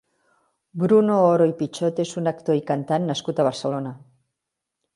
Bruno Oro i Pichot és un actor i cantant nascut a Barcelona.